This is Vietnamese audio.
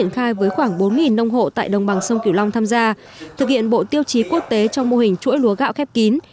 khai với khoảng bốn nông hộ tại đồng bằng sông kiều long tham gia thực hiện bộ tiêu chí quốc tế trong mô hình chuỗi lúa gạo khép kín